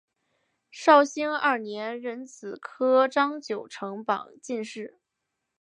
绍兴二年壬子科张九成榜进士。